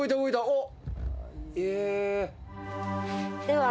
おっ！